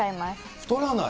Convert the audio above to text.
太らない？